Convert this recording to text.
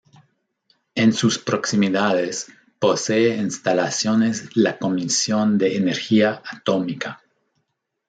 En sus proximidades posee instalaciones la Comisión de Energía Atómica.